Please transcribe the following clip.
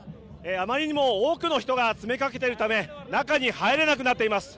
あまりにも多くの人が詰めかけているため中に入れなくなっています。